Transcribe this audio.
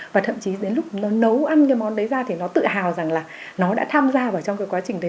và thậm chí đến lúc nó nấu ăn cái món đấy ra thì nó tự hào rằng là nó đã tham gia vào trong cái quá trình đấy